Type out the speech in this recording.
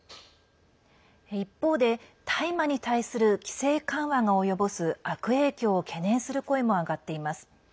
一方で、大麻に対する規制緩和が及ぼす悪影響を懸念する声も上がっています。